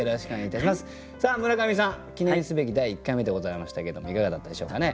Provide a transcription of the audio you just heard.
さあ村上さん記念すべき第１回目でございましたけどもいかがだったでしょうかね。